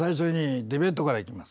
まず最初にディベートからいきます。